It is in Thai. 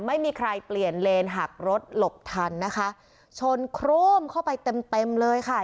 ไม่มีใครเปลี่ยนเลนหักรถหลบทันนะคะชนโครมเข้าไปเต็มเต็มเลยค่ะ